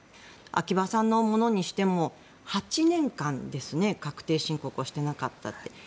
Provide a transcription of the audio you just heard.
秋葉さんのものにしても８年間ですね確定申告をしていなかったって。